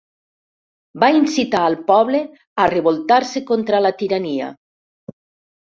Va incitar al poble a revoltar-se contra la tirania.